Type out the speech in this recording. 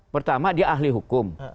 pertama dia ahli hukum